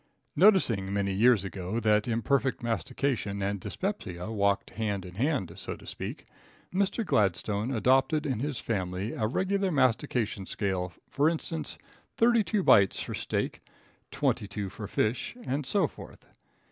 Noticing many years ago that imperfect mastication and dyspepsia walked hand in hand, so to speak, Mr. Gladstone adopted in his family a regular mastication scale; for instance, thirty two bites for steak, twenty two for fish, and so forth.